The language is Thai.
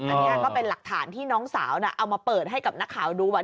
อันนี้ก็เป็นหลักฐานที่น้องสาวเอามาเปิดให้กับนักข่าวดูว่า